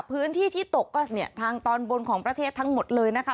พื้นที่ที่ตกก็เนี่ยทางตอนบนของประเทศทั้งหมดเลยนะคะ